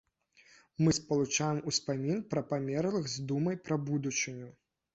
Мы спалучаем успамін пра памерлых з думай пра будучыню.